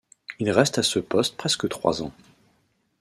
Il reste à ce poste presque trois ans.